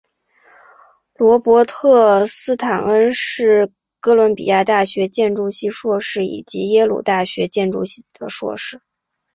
罗伯特斯坦恩是哥伦比亚大学建筑系硕士以及耶鲁大学建筑系的硕士。